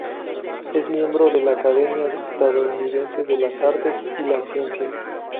Es miembro de la Academia Estadounidense de las Artes y las Ciencias.